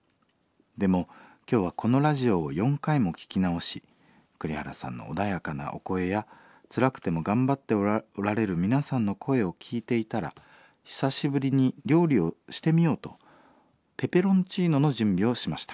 でも今日はこのラジオを４回も聴き直し栗原さんの穏やかなお声やつらくても頑張っておられる皆さんの声を聴いていたら久しぶりに料理をしてみようとペペロンチーノの準備をしました。